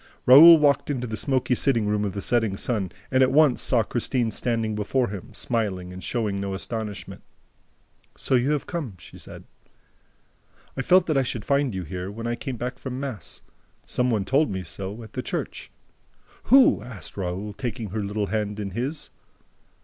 Raoul walked into the smoky sitting room of the Setting Sun and at once saw Christine standing before him, smiling and showing no astonishment. "So you have come," she said. "I felt that I should find you here, when I came back from mass. Some one told me so, at the church." "Who?" asked Raoul, taking her little hand in his.